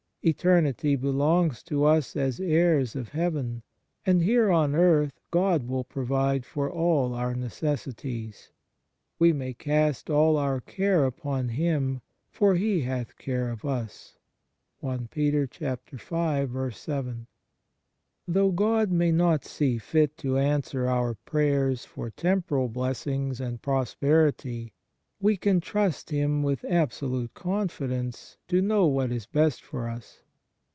Eternity belongs to us as heirs of heaven, and here on earth God will provide for all our necessities. We may " cast all our care upon Him, for He hath care of us." 2 Though God may not see fit to answer our prayers for temporal blessings and prosperity, we can trust Him with absolute confidence to know what is best for us.